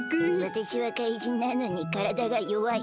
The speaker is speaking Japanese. わたしは怪人なのにからだがよわい！